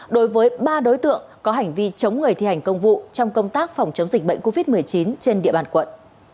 đối với ba đối tượng có hành vi chống người thi hành công vụ trong công tác phòng chống dịch bệnh covid một mươi chín trên địa bàn quận